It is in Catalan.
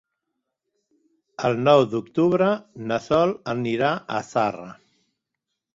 El nou d'octubre na Sol anirà a Zarra.